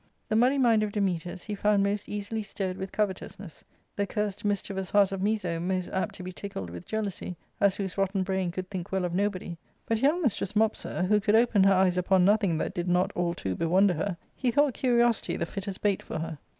The muddy mind of Dametas he found most easily stirred with covetousness ; the curst mis chievous heart of Miso most apt to be tickled with jealousy, as whose rotten brain could think well of nobody ; but young mistress Mopsa, who could open her eyes upon nothing that did not all to bewonder* her, he thought curiosity the fittest bait for her.